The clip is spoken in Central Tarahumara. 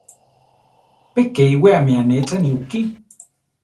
Pe ke iwéami anéchani ukí.